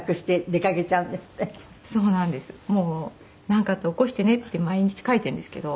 「なんかあったら起こしてね」って毎日書いているんですけど。